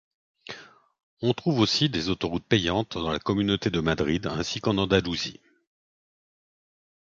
On trouve aussi des autoroutes payantes dans la Communauté de Madrid ainsi qu'en Andalousie.